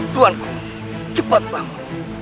tuanku cepat bangun